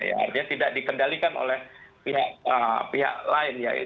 artinya tidak dikendalikan oleh pihak lain